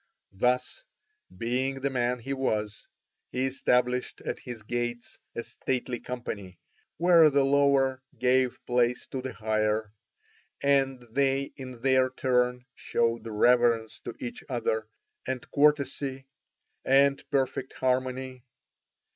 Thus, being the man he was, he established at his gates a stately company, where the lower gave place to the higher, and they in their turn showed reverence to each other, and courtesy, and perfect harmony.